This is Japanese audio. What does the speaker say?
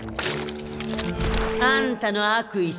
あんたの悪意さ。